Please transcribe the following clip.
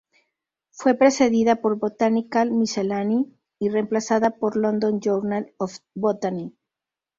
Fue precedida por "Botanical Miscellany" y reemplazada por "London Journal of Botany".